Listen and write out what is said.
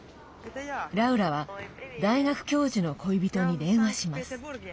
ラウラは大学教授の恋人に電話します。